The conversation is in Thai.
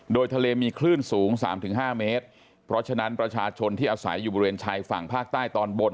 โดยทะเลมีคลื่นสูงสามถึงห้าเมตรเพราะฉะนั้นประชาชนที่อาศัยอยู่บริเวณชายฝั่งภาคใต้ตอนบน